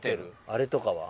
あれとかは？